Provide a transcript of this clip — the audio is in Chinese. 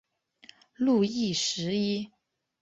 路易十一。